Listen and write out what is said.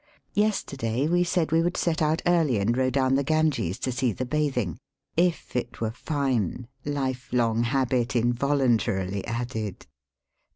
Yesterday we said we would set out early and row down the Ganges to see the bathing —^' if it were fine," life long habit involuntarily added.